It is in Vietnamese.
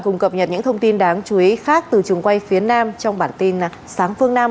cùng cập nhật những thông tin đáng chú ý khác từ trường quay phía nam trong bản tin sáng phương nam